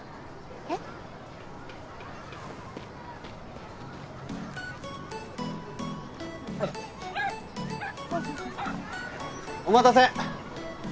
えっ？お待たせ！